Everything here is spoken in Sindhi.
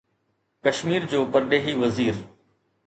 ڪشمير جو پرڏيهي وزير